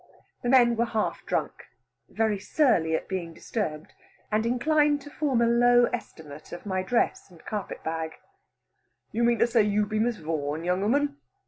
The men were half drunk, very surly at being disturbed, and inclined to form a low estimate of my dress and carpet bag. "You mean to say you be Miss Vaughan, young 'ooman?"